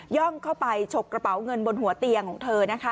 ่องเข้าไปฉกกระเป๋าเงินบนหัวเตียงของเธอนะคะ